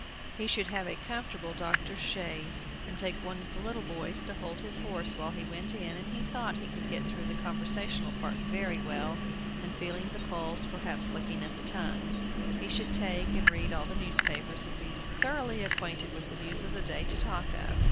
He should have a comfortable doctor's chaise, and take one of the little boys to hold his horse while he went in, and he thought he could get through the conversational part very well, and feeling the pulse, perhaps looking at the tongue. He should take and read all the newspapers, and so be thoroughly acquainted with the news of the day to talk of.